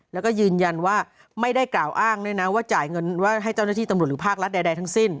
แล้วก็ยืนยันว่าไม่ได้กล่าวอ้างด้วยนะว่าจ่ายเงินว่าให้เจ้าหน้าที่ตำรวจหรือภาครัฐใดทั้งสิ้น